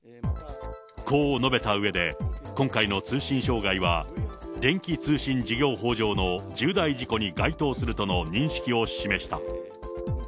こう述べたうえで、今回の通信障害は電気通信事業法上の重大事故に該当するとの認識を示した。